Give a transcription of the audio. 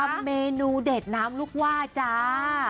เมนูเด็ดน้ำลูกว่าจ้า